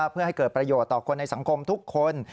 เพื่อให้เกิดประโยชน์ต่อคนในสังคมทุกคน